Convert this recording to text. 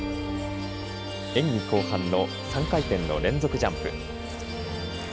演技後半の３回転の連続ジャンプ。